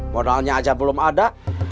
modalnya aja belum ada